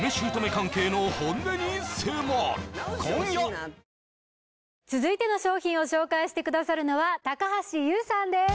「メリット」続いての商品を紹介してくださるのは高橋ユウさんです